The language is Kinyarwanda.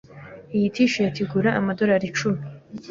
Iyi T-shirt igura amadorari icumi.